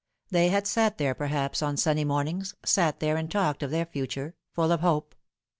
They had sat there perhaps on sunny mornings, sat there and talked of their future, full of hope.